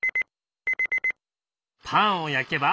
パンを焼けば。